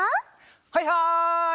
はいはい！